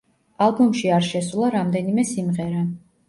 ალბომში არ შესულა რამდენიმე სიმღერა.